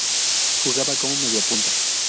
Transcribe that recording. Jugaba como mediapunta.